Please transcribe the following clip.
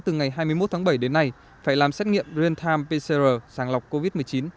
từ ngày hai mươi một tháng bảy đến nay phải làm xét nghiệm real time pcr sàng lọc covid một mươi chín